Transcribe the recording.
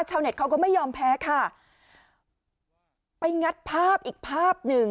เน็ตเขาก็ไม่ยอมแพ้ค่ะไปงัดภาพอีกภาพหนึ่ง